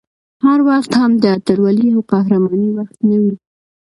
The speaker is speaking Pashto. هر وخت هم د اتلولۍ او قهرمانۍ وخت نه وي